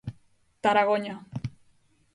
Taragoña.